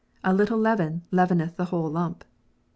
" A little leaven leaveneth the whole lump."